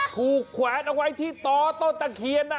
ถูกแขวนเอาไว้ที่ตอต้นตะเคียนอ่ะ